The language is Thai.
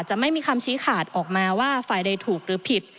ไม่มีคำชี้ขาดออกมาว่าฝ่ายใดถูกหรือผิด